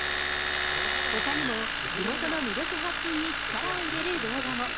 ほかにも、地元の魅力発信に力を入れる動画も。